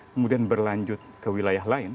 kemudian berlanjut ke wilayah lain